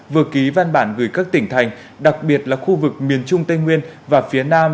vừa ký văn bản gửi các tỉnh thành đặc biệt là khu vực miền trung tây nguyên và phía nam